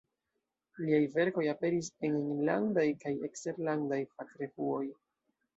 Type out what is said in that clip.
Liaj verkoj aperis en enlandaj kaj eksterlandaj fakrevuoj.